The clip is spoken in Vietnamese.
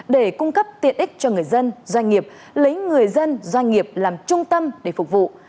để cung cấp tiện ích cho người dân doanh nghiệp lấy người dân doanh nghiệp làm trung tâm để phục vụ